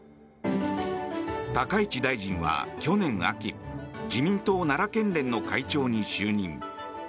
高市大臣は去年秋自民党奈良県連の会長に就任。